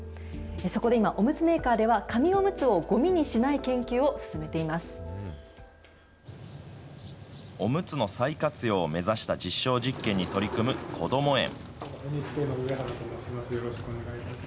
そこで今、おむつメーカーでは紙おむつをごみにしない研究を進めおむつの再活用を目指した実証実験に取り組むこども園。